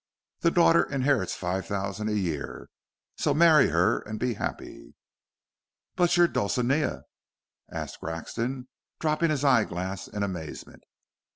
The daughter inherits five thousand a year, so marry her and be happy." "But your Dulcinea?" asked Grexon, dropping his eye glass in amazement.